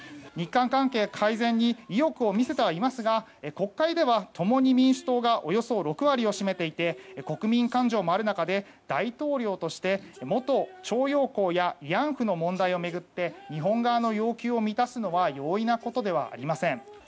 日韓関係改善に意欲を見せていますが国会では共に民主党がおよそ６割を占めていて国民感情もある中で大統領として元徴用工や慰安婦の問題を巡って日本側の要求を満たすのは容易ではありません。